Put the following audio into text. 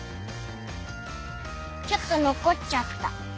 ちょっとのこっちゃった。